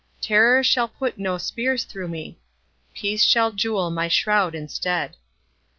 Terror shall put no spears through me. Peace shall jewel my shroud instead.